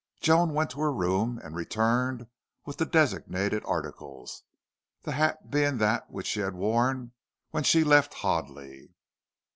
Joan went to her room and returned with the designated articles, the hat being that which she had worn when she left Hoadley.